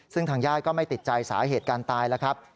ซึ่งทางญาติก็ไม่ติดใจสาเหตุการตายแล้วครับ